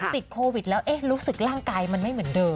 ติดโควิดแล้วเอ๊ะรู้สึกร่างกายมันไม่เหมือนเดิม